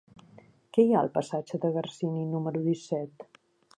Què hi ha al passatge de Garcini número disset?